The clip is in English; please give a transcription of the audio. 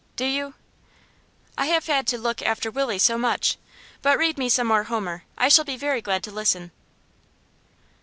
'Do you?' 'I have had to look after Willie so much. But read me some more Homer; I shall be very glad to listen.